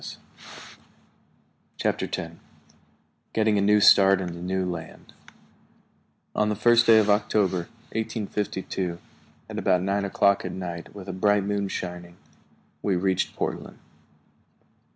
] CHAPTER TEN GETTING A NEW START IN THE NEW LAND ON the first day of October, 1852, at about nine o'clock at night, with a bright moon shining, we reached Portland.